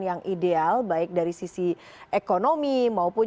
yang ideal baik dari sisi ekonomi maupun